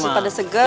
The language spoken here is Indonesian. masih pada seger